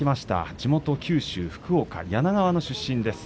地元九州福岡柳川の出身です。